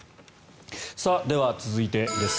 では、続いてです。